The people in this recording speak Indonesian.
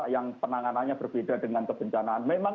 yang penanganannya berbeda dengan kebencanaan memang